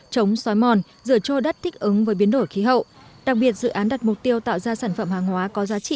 chống xói mòn rửa trôi đất thích ứng với biến đổi khí hậu đặc biệt dự án đặt mục tiêu tạo ra sản phẩm hàng hóa có giá trị